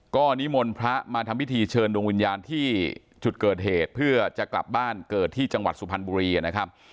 ก็นิมนต์พระมาทำพิธีเชิญดวงวิญญาณที่จุดเกิดเหตุเพื่อจะกลับบ้านเกิดที่จังหวัดสุพรรณบุรีนะครับ